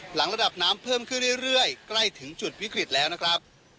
หลังระดับน้ำเพิ่มขึ้นเรื่อยใกล้ถึงจุดวิกฤตแล้วนะครับ